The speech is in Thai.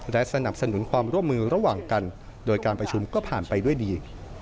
และสนับสนุนความร่วมมือระหว่างกันโดยการประชุมก็ผ่านไปด้วยดี